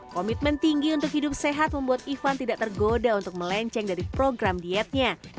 komitmen tinggi untuk hidup sehat membuat ivan tidak tergoda untuk melenceng dari program dietnya